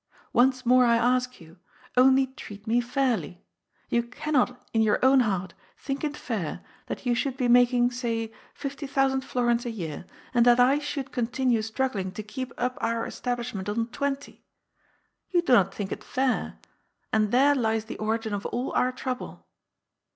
Once more I ask you : Only b'eat me fairly. You cannot, in your own heart, think it fair that you should be making, say, fifiy thousand florins a year, and that I should continue struggling to keep up our establishment on twenty. You do not think it fair, and there lies the origin of all our trouble."